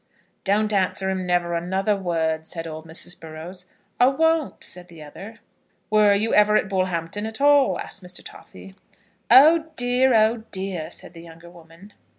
"Don't answer him never another word," said old Mrs. Burrows. "I won't," said the other. "Were you ever at Bullhampton at all?" asked Mr. Toffy. "Oh dear, oh dear," said the younger woman.